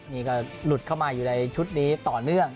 นี่ก็หลุดเข้ามาอยู่ในชุดนี้ต่อเนื่อง